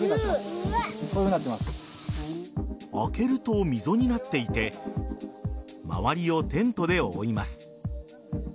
開けると溝になっていて周りをテントで覆います。